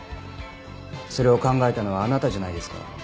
それを考えたのはあなたじゃないですか？